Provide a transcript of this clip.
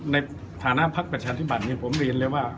ในฐานะภักดิ์ประชาธิปัตย์นี้ผมเรียนเลยว่า